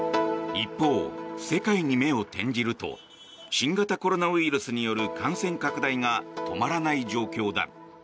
一方、世界に目を転じると新型コロナウイルスによる感染拡大が止まらない状況だ。